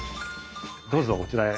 どうぞこちらへ。